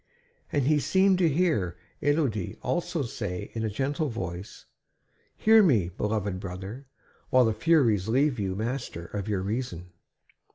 And he seemed to hear Élodie also saying in a gentle voice: "Hear me, beloved brother, while the Furies leave you master of your reason